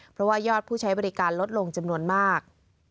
เพราะว่ายอดผู้ใช้บริการลดลงจำนวนมาก